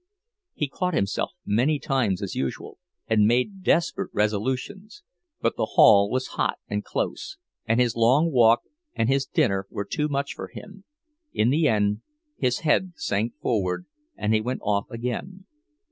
He caught himself many times, as usual, and made desperate resolutions; but the hall was hot and close, and his long walk and his dinner were too much for him—in the end his head sank forward and he went off again.